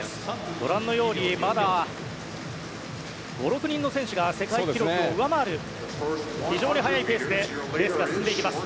ご覧のようにまだ５６人の選手が世界記録を上回る非常に速いペースでレースが進んでいきます。